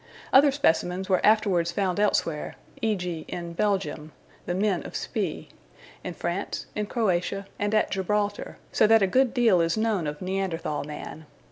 Other specimens were afterwards found elsewhere, e.g. in Belgium ("the men of Spy"), in France, in Croatia, and at Gibraltar, so that a good deal is known of Neanderthal man.